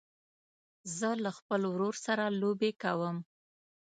زه له خپل ورور سره لوبې کوم.